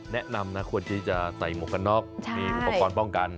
แนะนำนะควรที่จะใส่หมวกกันน็อกมีอุปกรณ์ป้องกัน